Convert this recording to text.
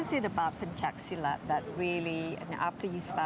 saya berlari sekitar tiga lima juta